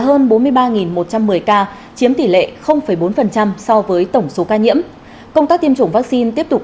hơn bốn mươi ba một trăm một mươi ca chiếm tỷ lệ bốn so với tổng số ca nhiễm công tác tiêm chủng vaccine tiếp tục